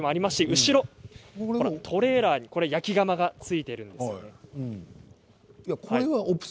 後ろトレーラー焼き釜がついています。